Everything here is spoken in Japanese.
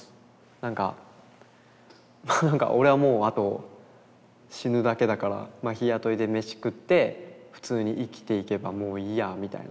なんかまあなんか「俺はもうあと死ぬだけだから日雇いで飯食って普通に生きていけばもういいや」みたいな。